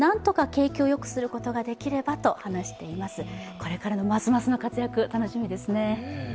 これからのますますの活躍楽しみですね。